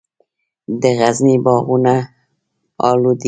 د غزني باغونه الو دي